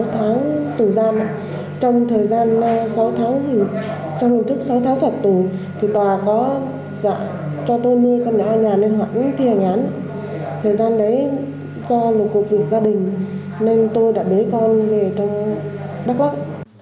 khoảng thi hành án thời gian đấy do là cuộc việc gia đình nên tôi đã bế con về trong đắk lắp